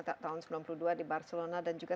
tahun sembilan puluh dua di barcelona dan juga